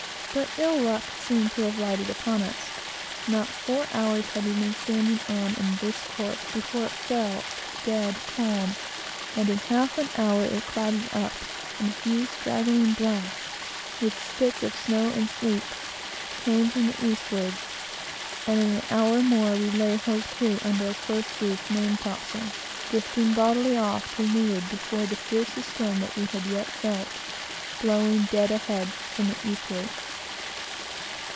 But ill luck seemed to have lighted upon us. Not four hours had we been standing on in this course, before it fell dead calm; and in half an hour it clouded up; a few straggling blasts, with spits of snow and sleet, came from the eastward; and in an hour more, we lay hove to under a close reefed main topsail, drifting bodily off to leeward before the fiercest storm that we had yet felt, blowing dead ahead, from the eastward.